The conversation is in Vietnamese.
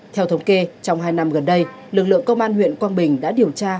theo thống kê trong hai năm gần đây lực lượng công an huyện quang bình đã điều tra